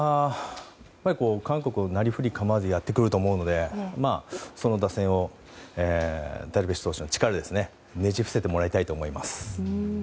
韓国はなりふり構わずやってくると思うのでその打線をダルビッシュ投手の力でねじ伏せてもらいたいと思います。